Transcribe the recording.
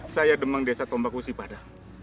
saya demang desa kompaku sipadang